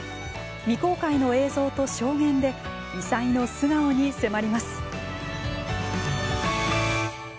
未公開の映像と証言で異才の素顔に迫ります。